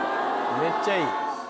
めっちゃいい。